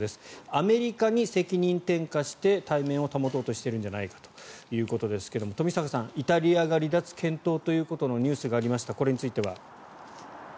アメリカに責任転嫁して体面を保とうとしているんじゃないかということですが冨坂さん、イタリアが離脱検討というニュースがありましたがこれについては。